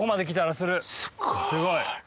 すっごい。